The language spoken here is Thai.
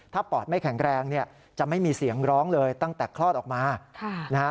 ถ้าปอดไม่แข็งแรงเนี่ยจะไม่มีเสียงร้องเลยตั้งแต่คลอดออกมานะฮะ